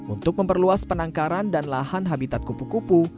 untuk memperluas penangkaran dan lahan habitat kupu kupu